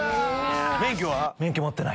免許は？